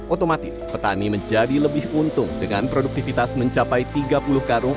otomatis petani menjadi lebih untung dengan produktivitas mencapai tiga puluh karung